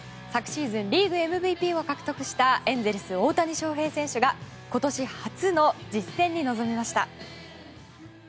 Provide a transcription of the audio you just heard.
昨シーズンリーグＭＶＰを獲得したエンゼルス、大谷翔平選手が今年初の実戦に臨みました。